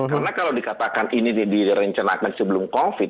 karena kalau dikatakan ini direncanakan sebelum covid